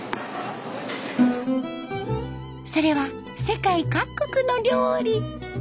それは世界各国の料理。